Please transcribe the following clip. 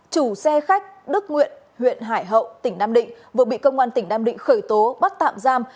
chủ xe khách đức nguyện huyện hải hậu tỉnh nam định vừa bị công an tỉnh nam định khởi tố bắt tạm giam